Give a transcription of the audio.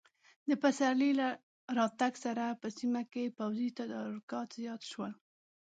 د پسرلي له راتګ سره په سیمه کې پوځي تدارکات زیات شول.